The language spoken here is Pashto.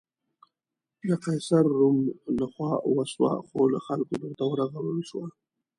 د قیصر روم له خوا وسوه، خو له خلکو بېرته ورغول شوه.